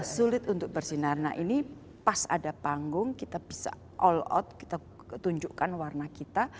sulit untuk bersinar nah ini pas ada panggung kita bisa all out kita tunjukkan warna kita